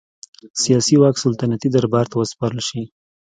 سیاسي واک سلطنتي دربار ته وسپارل شي.